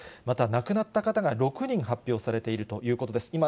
また亡くなった方が６人発表されているということです。